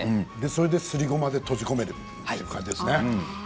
それですりごまで閉じ込めるという感じですね。